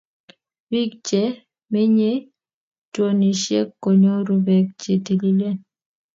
biik che menyei townisiek ko nyoru beek che tililen.